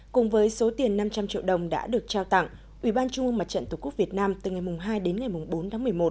cùng với số tiền năm trăm linh triệu đồng đã được trao tặng ubnd mặt trận tổ quốc việt nam từ ngày hai đến ngày bốn tháng một mươi một